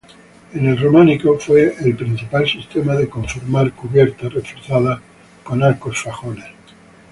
En el románico fue el principal sistema para conformar cubiertas, reforzadas con arcos fajones.